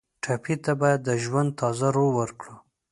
ټپي ته باید د ژوند تازه روح ورکړو.